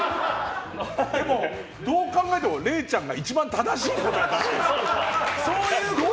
でもどう考えても、れいちゃんが一番正しい答えを言ってる。